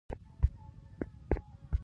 څه وګړي د تورو شپو ضرورت وي.